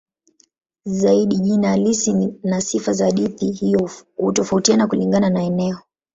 Zaidi jina halisi na sifa za hadithi hiyo hutofautiana kulingana na eneo.